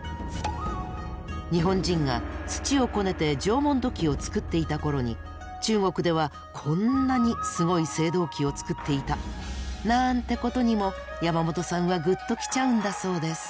日本人が土をこねて縄文土器を作っていた頃に中国ではこんなにすごい青銅器を作っていた！なんてことにも山本さんはグッときちゃうんだそうです。